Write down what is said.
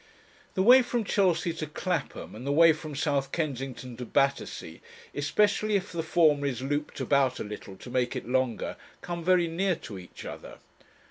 The way from Chelsea to Clapham and the way from South Kensington to Battersea, especially if the former is looped about a little to make it longer, come very near to each other.